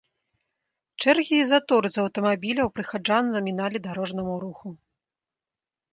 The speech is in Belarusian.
Чэргі і заторы з аўтамабіляў прыхаджан заміналі дарожнаму руху.